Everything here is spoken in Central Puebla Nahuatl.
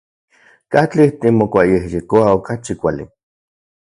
¿Katli timokuayejkoua okachi kuali?